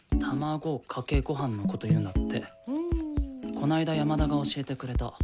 この間山田が教えてくれた。